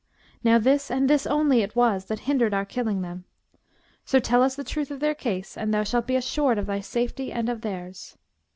Now this and this only it was that hindered our killing them: so tell us the truth of their case and thou shalt be assured of thy safety and of theirs.'